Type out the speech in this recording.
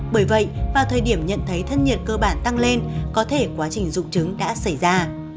bởi vậy vào thời điểm nhận thấy thân nhiệt cơ bản tăng lên có thể quá trình dụng chứng đã xảy ra